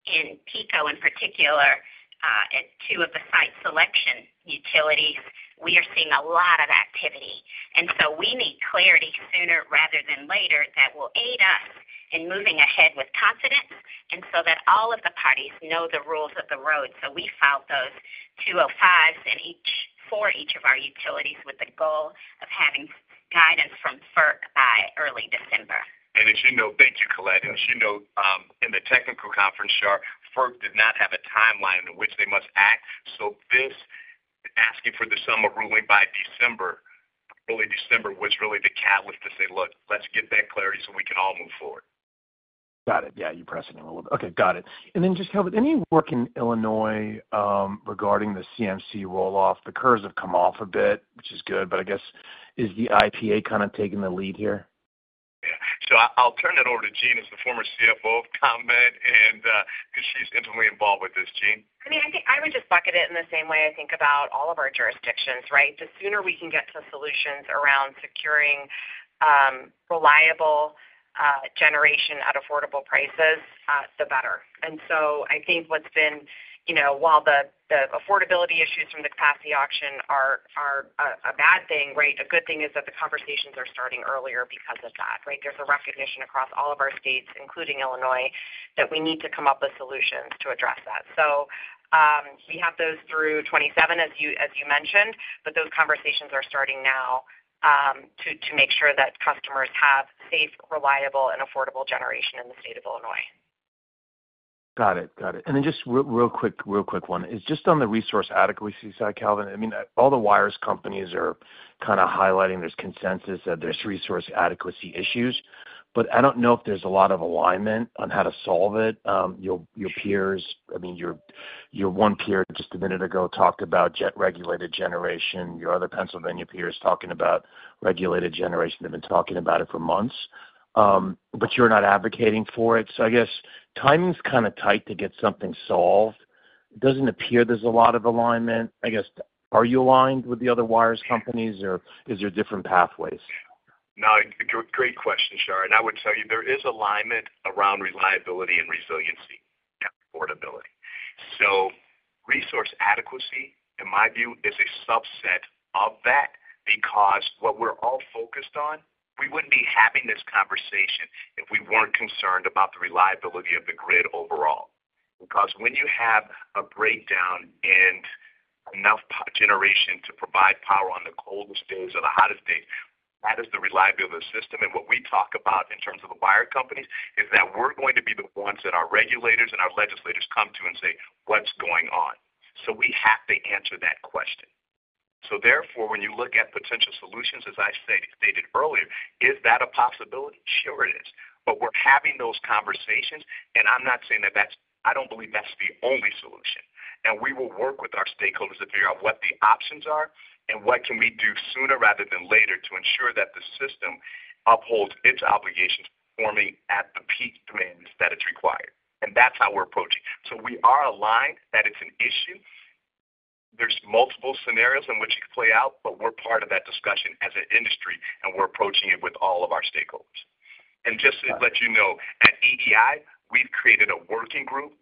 and PECO in particular, as two of the Site Selection utilities, we are seeing a lot of activity. And so we need clarity sooner rather than later that will aid us in moving ahead with confidence and so that all of the parties know the rules of the road. So we filed those 205s for each of our utilities with the goal of having guidance from FERC by early December. And as you know, thank you, Colette. And as you know, in the technical conference, Shar, FERC did not have a timeline in which they must act. So this asking for the ISA ruling by early December was really the catalyst to say, "Look, let's get that clarity so we can all move forward." Got it. You're pressing it a little bit. Okay. Got it. And then just Calvin, any work in Illinois regarding the CMC rolloff? The curves have come off a bit, which is good, but I guess, is the IPA taking the lead here? So I'll turn it over to Jeanne as the former CFO of ComEd because she's intimately involved with this. Jeanne? I mean, I would just bucket it in the same way I think about all of our jurisdictions, right? The sooner we can get to solutions around securing reliable generation at affordable prices, the better. And so I think what's been, while the affordability issues from the capacity auction are a bad thing, right? A good thing is that the conversations are starting earlier because of that, right? There's a recognition across all of our states, including Illinois, that we need to come up with solutions to address that. So we have those through 2027, as you mentioned, but those conversations are starting now to make sure that customers have safe, reliable, and affordable generation in the state of Illinois. Got it. Got it. And then just real quick one. It's just on the resource adequacy side, Calvin. I mean, all the wires companies are highlighting there's consensus that there's resource adequacy issues, but I don't know if there's a lot of alignment on how to solve it. Your peers, I mean, your one peer just a minute ago talked about regulated generation. Your other Pennsylvania peers talking about regulated generation. They've been talking about it for months, but you're not advocating for it. So I guess timing's tight to get something solved. It doesn't appear there's a lot of alignment. I guess, are you aligned with the other wires companies, or is there different pathways? No, great question, Shar. And I would tell you there is alignment around reliability and resiliency and affordability. So resource adequacy, in my view, is a subset of that because what we're all focused on, we wouldn't be having this conversation if we weren't concerned about the reliability of the grid overall. Because when you have a breakdown and enough generation to provide power on the coldest days or the hottest days, that is the reliability of the system. And what we talk about in terms of the wire companies is that we're going to be the ones that our regulators and our legislators come to and say, "What's going on?" So we have to answer that question. So therefore, when you look at potential solutions, as I stated earlier, is that a possibility? Sure it is. But we're having those conversations, and I'm not saying that that's. I don't believe that's the only solution, and we will work with our stakeholders to figure out what the options are and what can we do sooner rather than later to ensure that the system upholds its obligations, performing at the peak demands that it's required, and that's how we're approaching, so we are aligned that it's an issue. There's multiple scenarios in which it could play out, but we're part of that discussion as an industry, and we're approaching it with all of our stakeholders, and just to let you know, at EEI, we've created a working group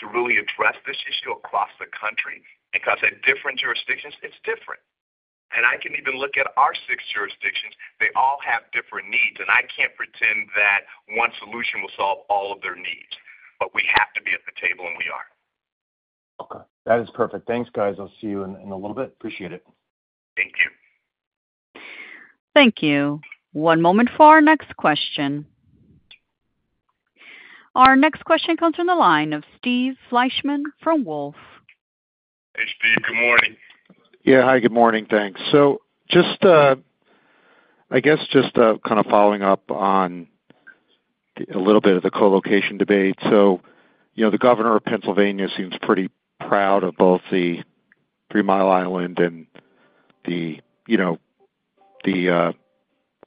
to really address this issue across the country, because at different jurisdictions, it's different, and I can even look at our six jurisdictions. They all have different needs, and I can't pretend that one solution will solve all of their needs. But we have to be at the table, and we are. Okay. That is perfect. Thanks, guys. I'll see you in a little bit. Appreciate it. Thank you. Thank you. One moment for our next question. Our next question comes from the line of Steve Fleischman from Wolfe. Hey, Steve. Good morning. Hi. Good morning. Thanks. So I guess just following up on a little bit of the co-location debate. So the governor of Pennsylvania seems pretty proud of both the Three Mile Island and the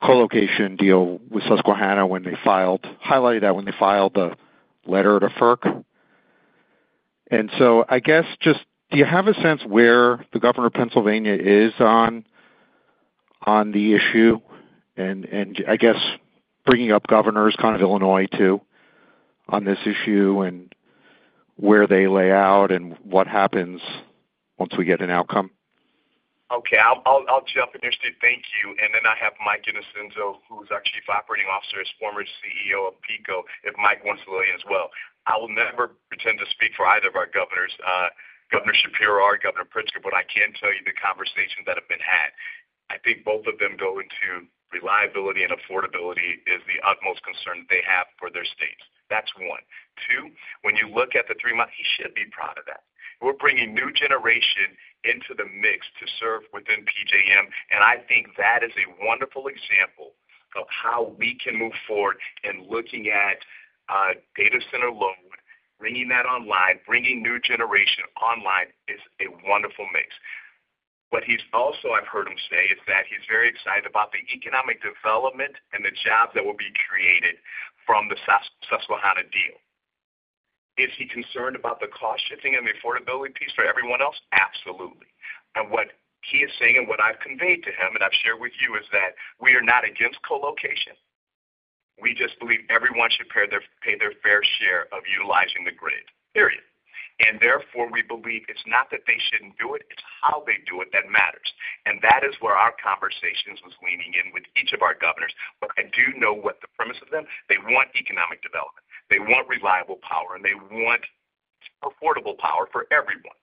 co-location deal with Susquehanna when they filed, highlighted that when they filed the letter to FERC. And so I guess just do you have a sense where the governor of Pennsylvania is on the issue? I guess bringing up governors Illinois too on this issue and where they lay out and what happens once we get an outcome. Okay. I'll jump in here, Steve. Thank you. And then I have Mike Innocenzo, who's our Chief Operating Officer, is former CEO of PEPCO, if Mike wants to learn as well. I will never pretend to speak for either of our governors, Governor Shapiro or Governor Pritzker, but I can tell you the conversations that have been had. I think both of them go into reliability and affordability is the utmost concern that they have for their states. That's one. Two, when you look at the Three Mile Island, he should be proud of that. We're bringing new generation into the mix to serve within PJM, and I think that is a wonderful example of how we can move forward in looking at data center load, bringing that online, bringing new generation online is a wonderful mix. What he's also I've heard him say is that he's very excited about the economic development and the jobs that will be created from the Susquehanna deal. Is he concerned about the cost shifting and the affordability piece for everyone else? Absolutely, and what he is saying and what I've conveyed to him and I've shared with you is that we are not against co-location. We just believe everyone should pay their fair share of utilizing the grid, period, and therefore, we believe it's not that they shouldn't do it. It's how they do it that matters. That is where our conversations was leaning in with each of our governors. But I do know what the premise of them. They want economic development. They want reliable power, and they want affordable power for everyone.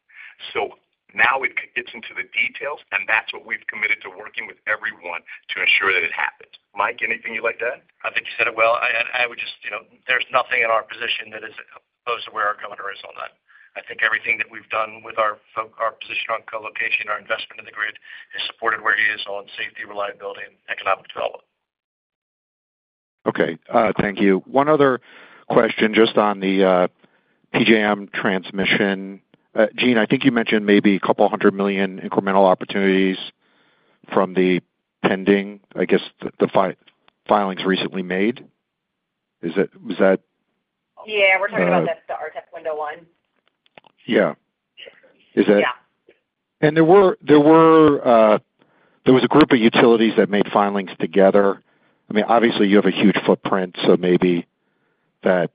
So now it gets into the details, and that's what we've committed to working with everyone to ensure that it happens. Mike, anything you'd like to add? I think you said it well. I would just there's nothing in our position that is opposed to where our governor is on that. I think everything that we've done with our position on co-location, our investment in the grid, is supported where he is on safety, reliability, and economic development. Okay. Thank you. One other question just on the PJM transmission. Jeanne, I think you mentioned maybe a couple hundred million incremental opportunities from the pending, I guess, the filings recently made. Was that? We're talking about the RTEP Window 1. Is that? Yeah. And there was a group of utilities that made filings together. I mean, obviously, you have a huge footprint, so maybe that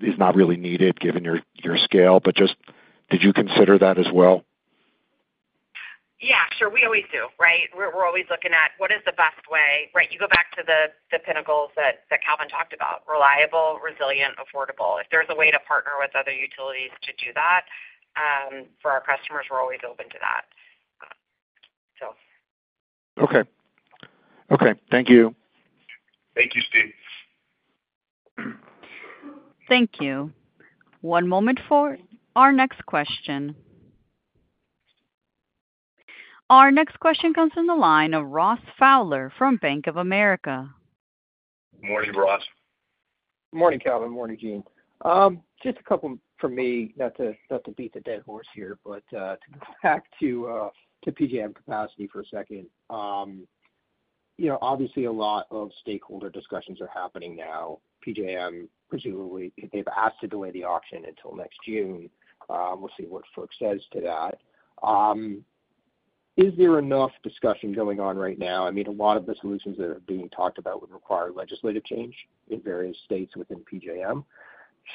is not really needed given your scale. But just did you consider that as well? Sure. We always do, right? We're always looking at what is the best way, right? You go back to the principles that Calvin talked about: reliable, resilient, affordable. If there's a way to partner with other utilities to do that for our customers, we're always open to that, so. Okay. Okay. Thank you. Thank you, Steve. Thank you. One moment for our next question. Our next question comes from the line of Ross Fowler from Bank of America. Good morning, Ross. Good morning, Calvin. Morning, Jeanne. Just a couple from me, not to beat the dead horse here, but to go back to PJM capacity for a second. Obviously, a lot of stakeholder discussions are happening now. PJM, presumably, they've asked to delay the auction until next June. We'll see what FERC says to that. Is there enough discussion going on right now? I mean, a lot of the solutions that are being talked about would require legislative change in various states within PJM.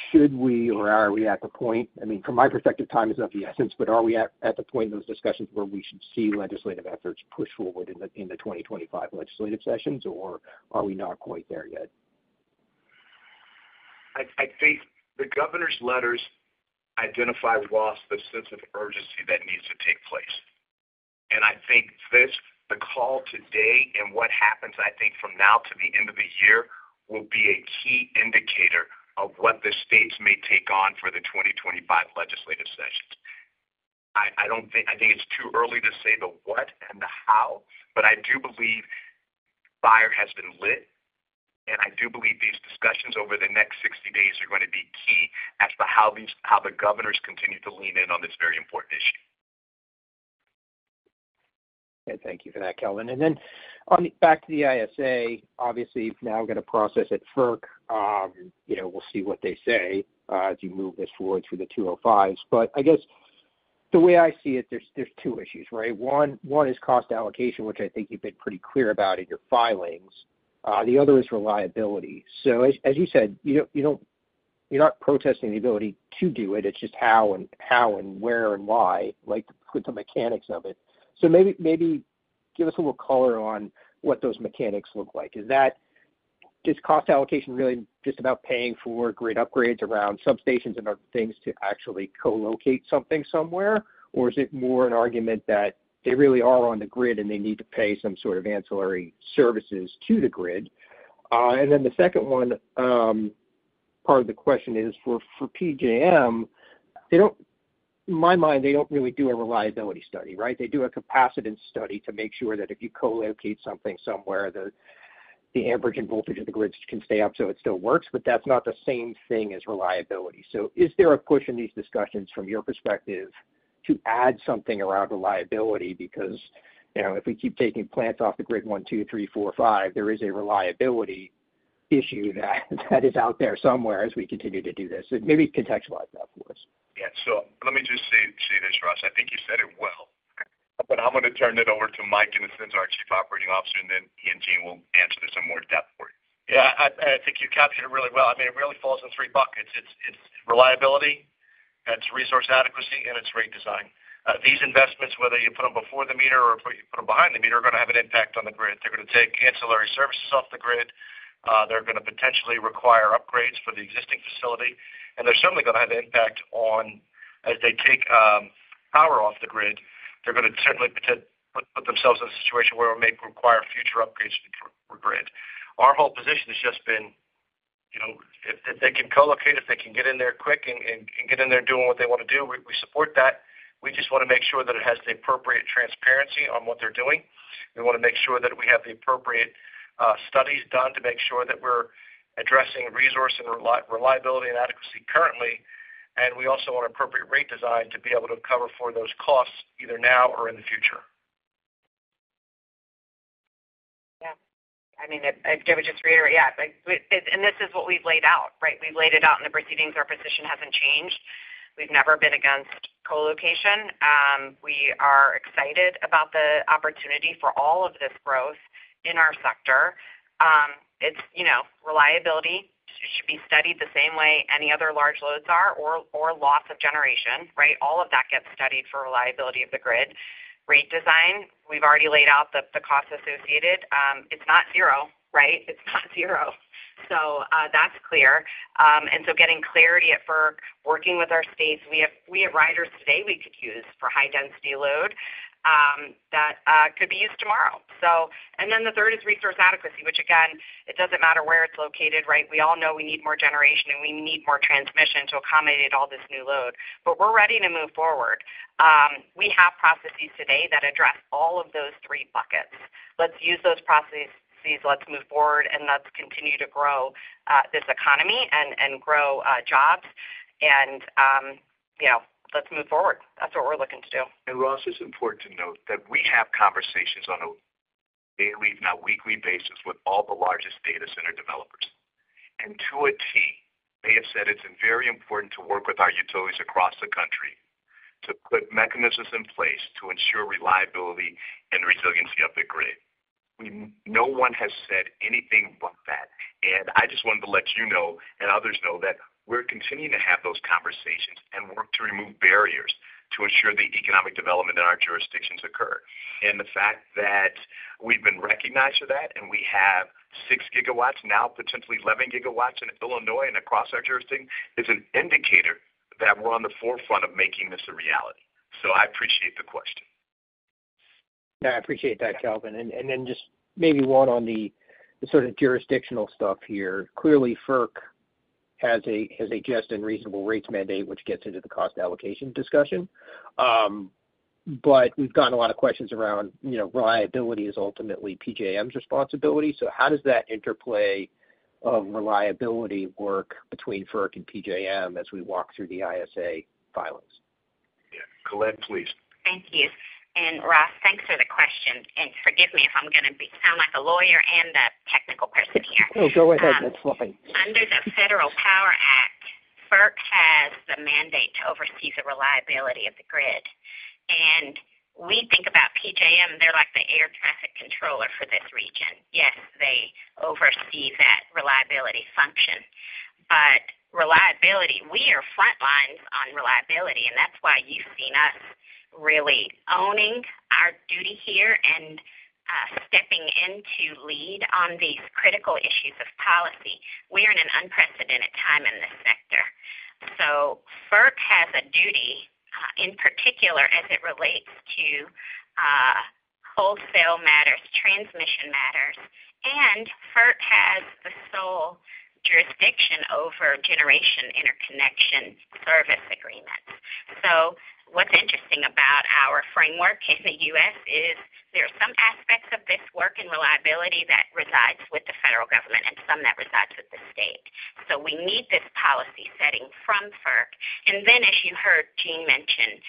Should we or are we at the point? I mean, from my perspective, time is of the essence, but are we at the point in those discussions where we should see legislative efforts push forward in the 2025 legislative sessions, or are we not quite there yet? I think the governor's letters identify, Ross, the sense of urgency that needs to take place. And I think this, the call today and what happens, I think from now to the end of the year will be a key indicator of what the states may take on for the 2025 legislative sessions. I think it's too early to say the what and the how, but I do believe fire has been lit, and I do believe these discussions over the next 60 days are going to be key as to how the governors continue to lean in on this very important issue. Okay. Thank you for that, Calvin. And then back to the ISA, obviously, now we're going to process at FERC. We'll see what they say as you move this forward through the 205s. But I guess the way I see it, there's two issues, right? One is cost allocation, which I think you've been pretty clear about in your filings. The other is reliability. So as you said, you're not protesting the ability to do it. It's just how and where and why, like with the mechanics of it. So maybe give us a little color on what those mechanics look like. Is this cost allocation really just about paying for grid upgrades around substations and other things to actually co-locate something somewhere, or is it more an argument that they really are on the grid and they need to pay some ancillary services to the grid? And then the second one, part of the question is for PJM, in my mind, they don't really do a reliability study, right? They do a capacity study to make sure that if you co-locate something somewhere, the amperage and voltage of the grid can stay up so it still works, but that's not the same thing as reliability. So is there a push in these discussions from your perspective to add something around reliability? Because if we keep taking plants off the grid one, two, three, four, five, there is a reliability issue that is out there somewhere as we continue to do this. Maybe contextualize that for us. So let me just say this, Ross. I think you said it well, but I'm going to turn it over to Mike Innocenzo, our Chief Operating Officer, and then he and Jeanne will answer this in more depth for you. You've captured it really well. I mean, it really falls in three buckets. It's reliability, and it's resource adequacy, and it's rate design. These investments, whether you put them before the meter or you put them behind the meter, are going to have an impact on the grid. They're going to take ancillary services off the grid. They're going to potentially require upgrades for the existing facility. And they're certainly going to have an impact on, as they take power off the grid, they're going to certainly put themselves in a situation where it may require future upgrades for the grid. Our whole position has just been if they can co-locate, if they can get in there quick and get in there doing what they want to do, we support that. We just want to make sure that it has the appropriate transparency on what they're doing. We want to make sure that we have the appropriate studies done to make sure that we're addressing resource and reliability and adequacy currently. And we also want appropriate rate design to be able to cover for those costs either now or in the future. If I would just reiterate. And this is what we've laid out, right? We've laid it out in the proceedings. Our position hasn't changed. We've never been against co-location. We are excited about the opportunity for all of this growth in our sector. Reliability should be studied the same way any other large loads are or loss of generation, right? All of that gets studied for reliability of the grid. Rate design, we've already laid out the cost associated. It's not zero, right? It's not zero, so that's clear, and so getting clarity at FERC, working with our states, we have riders today we could use for high-density load that could be used tomorrow. And then the third is resource adequacy, which, again, it doesn't matter where it's located, right? We all know we need more generation, and we need more transmission to accommodate all this new load. But we're ready to move forward. We have processes today that address all of those three buckets. Let's use those processes. Let's move forward, and let's continue to grow this economy and grow jobs. And let's move forward. That's what we're looking to do. And, Ross, it's important to note that we have conversations on a daily, if not weekly basis with all the largest data center developers. And to a T, they have said it's very important to work with our utilities across the country to put mechanisms in place to ensure reliability and resiliency of the grid. No one has said anything but that. And I just wanted to let you know and others know that we're continuing to have those conversations and work to remove barriers to ensure the economic development in our jurisdictions occur. And the fact that we've been recognized for that and we have 6 gigawatts, now potentially 11 gigawatts in Illinois and across our jurisdiction is an indicator that we're on the forefront of making this a reality. So I appreciate the question. I appreciate that, Calvin. And then just maybe one on the sort of jurisdictional stuff here. Clearly, FERC has a just and reasonable rates mandate, which gets into the cost allocation discussion. But we've gotten a lot of questions around reliability is ultimately PJM's responsibility. So how does that interplay of reliability work between FERC and PJM as we walk through the ISA filings? Glenn, please. Thank you. And, Ross, thanks for the question. Forgive me if I'm going to sound like a lawyer and a technical person here. Oh, go ahead. That's fine. Under the Federal Power Act, FERC has the mandate to oversee the reliability of the grid. We think about PJM. They're like the air traffic controller for this region. Yes, they oversee that reliability function. But reliability, we are frontlines on reliability. That's why you've seen us really owning our duty here and stepping in to lead on these critical issues of policy. We are in an unprecedented time in this sector. FERC has a duty in particular as it relates to wholesale matters, transmission matters. FERC has the sole jurisdiction over generation interconnection service agreements. What's interesting about our framework in the U.S. is there are some aspects of this work and reliability that resides with the federal government and some that resides with the state. So we need this policy setting from FERC. And then, as you heard Jeanne mention,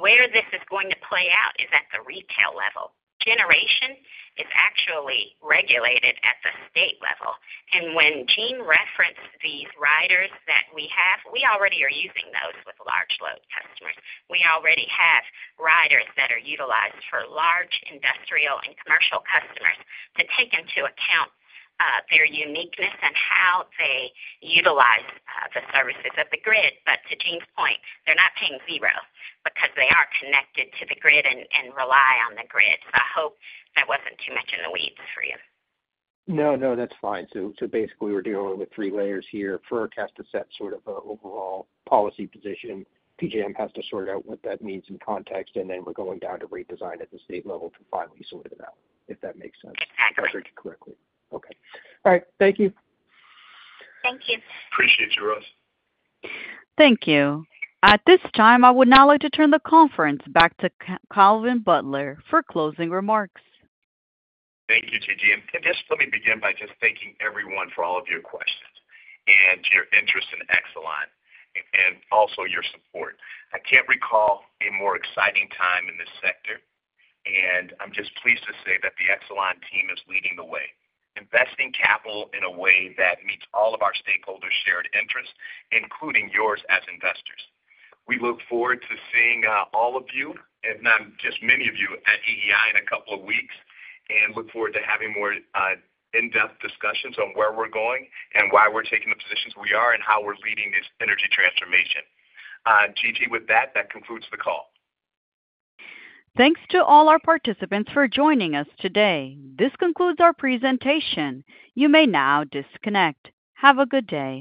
where this is going to play out is at the retail level. Generation is actually regulated at the state level. And when Jeanne referenced these riders that we have, we already are using those with large load customers. We already have riders that are utilized for large industrial and commercial customers to take into account their uniqueness and how they utilize the services of the grid. But to Jeanne's point, they're not paying zero because they are connected to the grid and rely on the grid. So I hope that wasn't too much in the weeds for you. No, no. That's fine. So basically, we're dealing with three layers here. FERC has to set an overall policy position. PJM has to sort out what that means in context. And then we're going down to redesign at the state level to finally sort it out, if that makes sense. Exactly. I heard you correctly. Okay. All right. Thank you. Thank you. Appreciate you, Ross. Thank you. At this time, I would now like to turn the conference back to Calvin Butler for closing remarks. Thank you, Gigi. And just let me begin by just thanking everyone for all of your questions and your interest in Exelon and also your support. I can't recall a more exciting time in this sector. And I'm just pleased to say that the Exelon team is leading the way, investing capital in a way that meets all of our stakeholders' shared interests, including yours as investors. We look forward to seeing all of you, if not just many of you, at EEI in a couple of weeks and look forward to having more in-depth discussions on where we're going and why we're taking the positions we are and how we're leading this energy transformation. G.G., with that, that concludes the call. Thanks to all our participants for joining us today. This concludes our presentation. You may now disconnect. Have a good day.